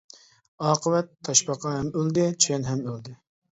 ئاقىۋەت تاشپاقا ھەم ئۆلدى، چايان ھەم ئۆلدى.